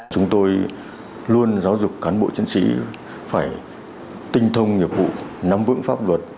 chúng tôi luôn giáo dục cán bộ chiến sĩ phải tinh thông nghiệp vụ nắm vững pháp luật